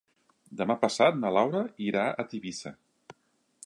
Demà passat na Laura irà a Tivissa.